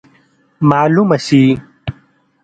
معلومه سي.